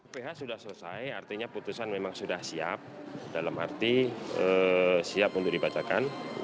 ph sudah selesai artinya putusan memang sudah siap dalam arti siap untuk dibacakan